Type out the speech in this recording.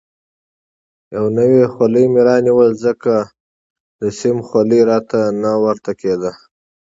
یو نوی خولۍ مې رانیول، ځکه د سیم خولۍ راته نه ورته کېده.